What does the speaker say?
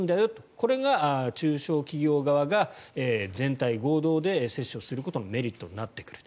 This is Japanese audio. これが中小企業側が全体合同で接種をすることのメリットになってくる。